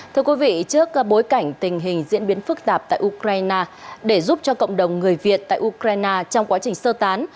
thưa quý vị trước bối cảnh tình hình diễn biến phức tạp tại ukraine để giúp cho cộng đồng người việt tại ukraine trong quá trình sơ tán